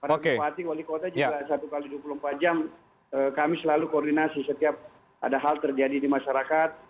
para bupati wali kota juga satu x dua puluh empat jam kami selalu koordinasi setiap ada hal terjadi di masyarakat